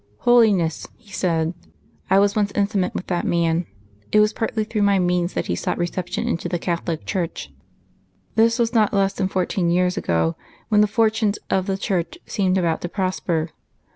"Holiness," he said, "I was once intimate with that man. It was partly through my means that he sought reception into the Catholic Church. This was not less than fourteen years ago, when the fortunes of the Church seemed about to prosper....